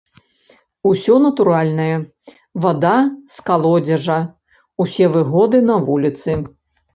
Усё натуральнае, вада з калодзежа, усе выгоды на вуліцы.